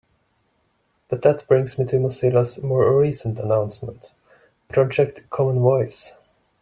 But that brings me to Mozilla's more recent announcement: Project Common Voice.